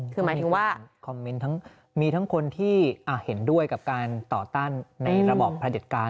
คือหมายถึงว่าคอมเมนต์ทั้งมีทั้งคนที่เห็นด้วยกับการต่อต้านในระบอบประเด็จการ